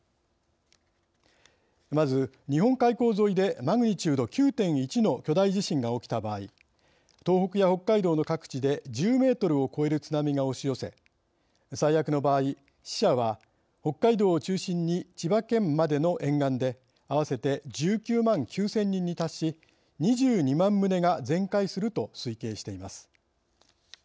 まず、日本海溝沿いでマグニチュード９．１の巨大地震が起きた場合東北や北海道の各地で１０メートルを超える津波が押し寄せ、最悪の場合死者は北海道を中心に千葉県までの沿岸で合わせて１９万９０００人に達し２２万棟が全壊すると推計しています。